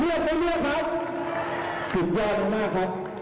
เลือกไปเลือกครับสุดยอดมากครับ